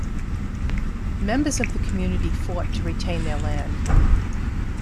Members of the community fought to retain their land.